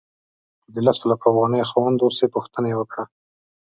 او د لسو لکو افغانیو خاوند اوسې پوښتنه یې وکړه.